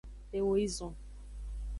Eo yi zon.